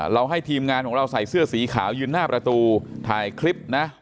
ให้ทีมงานของเราใส่เสื้อสีขาวยืนหน้าประตูถ่ายคลิปนะ